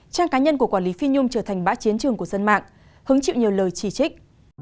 trang cá nhân của quản lý phi nhung trở thành bãi chiến trường của dân mạng hứng chịu nhiều lời chỉ trích